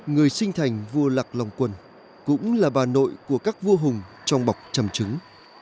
người sinh thành vua lạc long quân cũng là bà nội của các vua hùng trong bọc chầm trứng